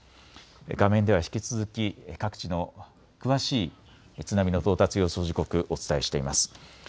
画面では引き続き各地の詳しい津波の到達予想時刻、お伝えしています。